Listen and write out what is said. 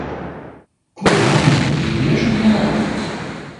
Ko dāvināt vīriešu dienā?